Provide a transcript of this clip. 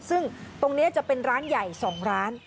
ซึ่งตรงนี้จะเป็นร้านใหญ่๒ร้าน